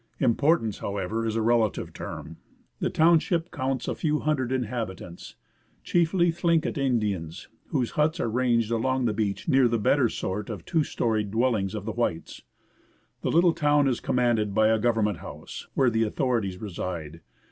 Importance, however, is a relative term. The town 22 MARY ISLAND. FROM SEATTLE TO JUNEAU ship counts a few hundred inhabitants, chiefly Thlinket Indians, whose huts are ranged along the beach near the better sort of two storied dwelHngs of the whites. The little town is commanded by a Govern ment House, where the authorities reside.